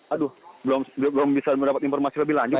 aduh belum bisa mendapat informasi lebih lanjut